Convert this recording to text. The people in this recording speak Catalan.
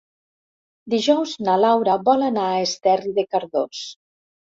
Dijous na Laura vol anar a Esterri de Cardós.